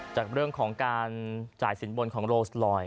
จากเรื่องของการจ่ายสินบนของโรสลอย